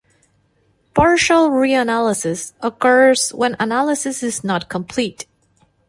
Partial reanalysis occurs when analysis is not complete.